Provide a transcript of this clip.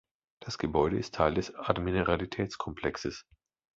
Das Gebäude ist Teil des Admiralitäts-Komplexes.